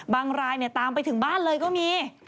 รายตามไปถึงบ้านเลยก็มี